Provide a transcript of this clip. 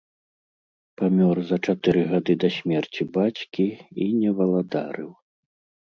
Памёр за чатыры гады да смерці бацькі і не валадарыў.